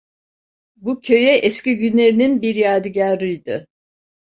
Bu, köye eski günlerinin bir yadigarıydı.